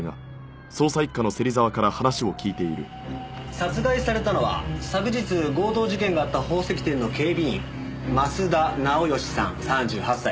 殺害されたのは昨日強盗事件があった宝石店の警備員増田直由さん３８歳。